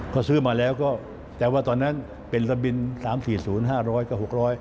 ก็ซื้อมาแล้วก็แต่ว่าตอนนั้นเป็นระบิน๓๔๐๕๐๐กับ๖๐๐